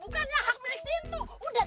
udah banyak si www news com